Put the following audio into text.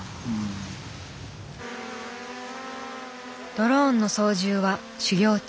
ドローンの操縦は修業中。